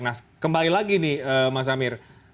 nah kembali lagi nih mas amir